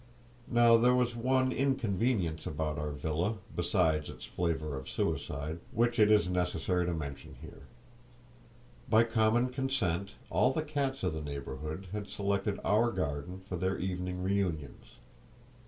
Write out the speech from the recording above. Now there was one inconvenience about our villa (besides its flavour of suicide) which it is necessary to mention here. By common consent all the cats of the neighbourhood had selected our garden for their evening reunions.